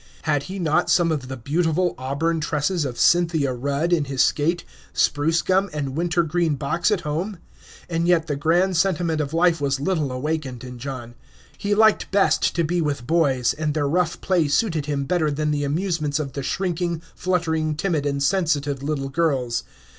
Had he not some of the beautiful auburn tresses of Cynthia Rudd in his skate, spruce gum, and wintergreen box at home? And yet the grand sentiment of life was little awakened in John. He liked best to be with boys, and their rough play suited him better than the amusements of the shrinking, fluttering, timid, and sensitive little girls.